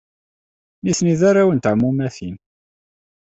Nitni d arraw n teɛmumatin.